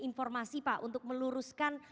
informasi pak untuk meluruskan